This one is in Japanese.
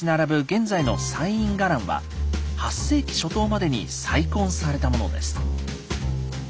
現在の西院伽藍は８世紀初頭までに再建されたものです。